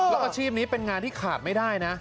แล้วอาชีพนี้เป็นงานที่ขาดไม่ได้นะ